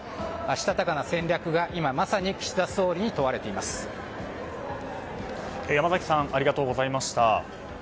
したたかな戦略が今まさに岸田総理に山崎さんありがとうございました。